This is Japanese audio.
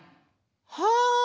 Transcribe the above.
はあ！